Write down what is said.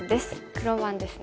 黒番ですね。